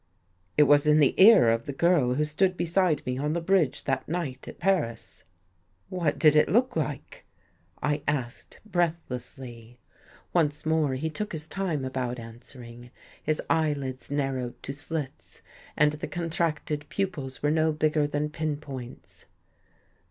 It was in the ear of the girl who stood beside me on the bridge that night at Paris." " What did it look like? " I asked breathlessly. Once more he took his time about answering. His eyelids narrowed to slits and the contracted pupils were no bigger than pin points.